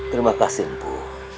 terima kasih ibu